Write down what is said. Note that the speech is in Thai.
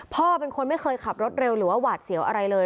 พ่อเป็นคนไม่เคยขับรถเร็วหรือว่าหวาดเสียวอะไรเลย